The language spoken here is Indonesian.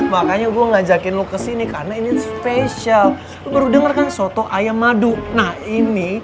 makanya gua ngajakin lu kesini karena ini spesial berdengerkan soto ayam madu nah ini